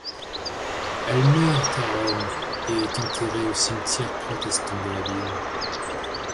Elle meurt à Rome et est enterrée au cimetière protestant de la ville.